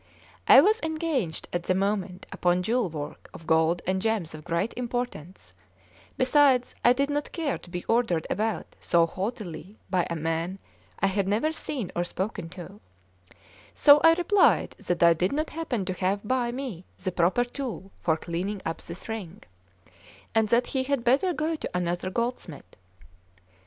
I was engaged at the moment upon jewel work of gold and gems of great importance: besides, I did not care to be ordered about so haughtily by a man I had never seen or spoken to; so I replied that I did not happen to have by me the proper tool for cleaning up his ring, and that he had better go to another goldsmith.